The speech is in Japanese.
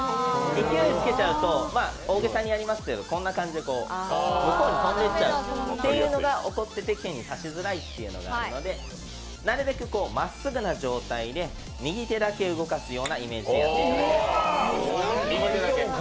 勢いをつけちゃうと、大げさにやりますけどこんな感じで向こうに飛んでいっちゃってけんに刺しづらいっていうのがあるのでなるべくまっすぐな状態で右手だけ動かすようなイメージでやっていただければ。